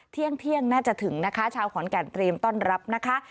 เที่ยงเที่ยงน่าจะถึงนะคะชาวขอนแก่นเตรียมต้อนรับนะคะ